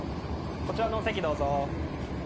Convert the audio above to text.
こちらのお席どうぞ。